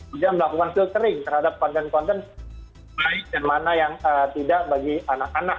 bisa melakukan filtering terhadap konten konten baik dan mana yang tidak bagi anak anak